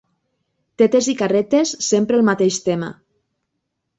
Tetes i carretes, sempre el mateix tema.